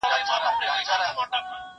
زه به سبا بوټونه پاکوم،